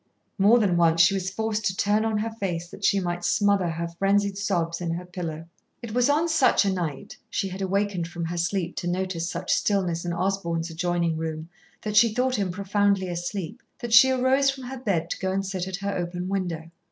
More than once she was forced to turn on her face that she might smother her frenzied sobs in her pillow. It was on such a night she had awakened from her sleep to notice such stillness in Osborn's adjoining room, that she thought him profoundly asleep that she arose from her bed to go and sit at her open window.